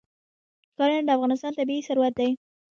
ښارونه د افغانستان طبعي ثروت دی.